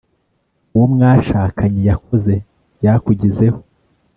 uwo mwashakanye yakoze byakugizeho